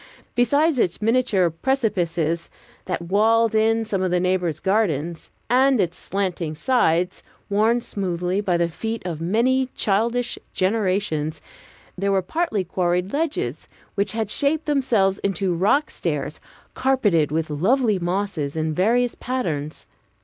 Besides its miniature precipices, that walled in some of the neighbors' gardens, and its slanting slides, worn smooth by the feet of many childish generations, there were partly quarried ledges, which had shaped themselves into rock stairs, carpeted with lovely mosses, in various patterns.